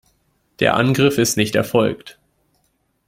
Der Angriff ist nicht erfolgt.